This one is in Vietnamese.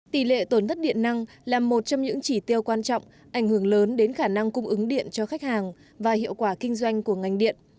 tỷ lệ tổn thất điện năng là một trong những chỉ tiêu quan trọng ảnh hưởng lớn đến khả năng cung ứng điện cho khách hàng và hiệu quả kinh doanh của ngành điện